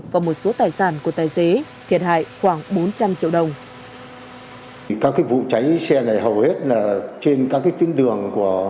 và một số tài sản của tài xế thiệt hại khoảng bốn trăm linh triệu đồng